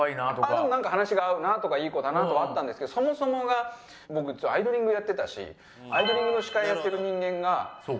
ああでもなんか話が合うなとかいい子だなっていうのはあったんですけどそもそもが僕『アイドリング！！！』やってたし『アイドリング！！！』の司会やってる人間が。